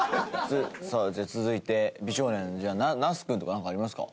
さあじゃあ続いて美少年じゃあ那須君とかなんかありますか？